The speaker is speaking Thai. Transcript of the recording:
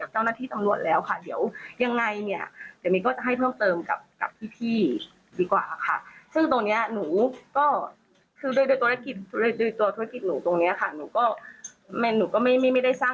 จริงแล้วไม่ใช่คำชวนเชื่อหรือว่าคำโฆษณาอะไรค่ะ